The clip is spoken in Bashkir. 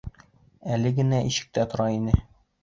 Әле генә ишектә тора ине.